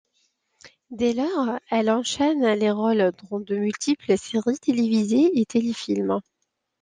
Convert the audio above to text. Dès lors, elle enchaîne les rôles dans de multiples séries télévisées et téléfilms.